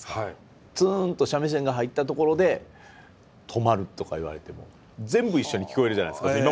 ツーンと三味線が入ったところで止まるとか言われても全部一緒に聞こえるじゃないですか。